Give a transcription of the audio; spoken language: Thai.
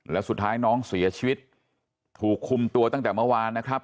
แล้วสุดท้ายน้องเสียชีวิตถูกคุมตัวตั้งแต่เมื่อวานนะครับ